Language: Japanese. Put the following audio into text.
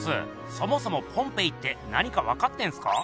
そもそもポンペイって何か分かってんすか？